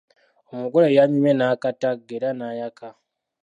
Omugole yanyumye n'akatagga era n'ayaka.